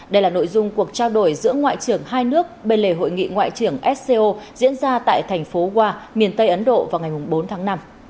đây là nội dung cuộc trao đổi giữa ngoại trưởng hai nước bên lề hội nghị ngoại trưởng sco diễn ra tại thành phố wa miền tây ấn độ vào ngày bốn tháng năm